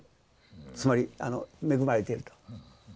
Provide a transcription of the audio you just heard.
つまり恵まれていると。